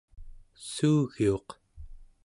suugiuq